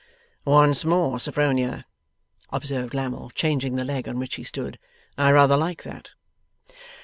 'Once more, Sophronia,' observed Lammle, changing the leg on which he stood, 'I rather like that.